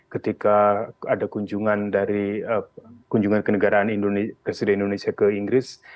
ketika ada kunjungan dari kunjungan kenegaraan indonesia ke inggris